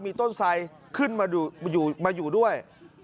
มีต้นไสขึ้นมาอยู่ด้วย